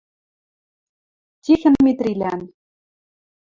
Тихӹн Митрилӓн.